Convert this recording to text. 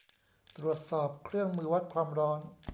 ตรวจสอบเครื่องมือวัดความร้อน